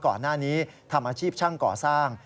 ก่อนหน้านี้ทำอาชีพช่างก่อสร้าง